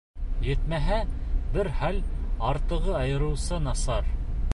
Етмәһә, бер хәл, артығы айырыуса насар.